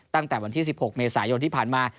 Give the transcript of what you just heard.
ตั้งแต่วันที่๑๖เมษายนที่ผ่านมา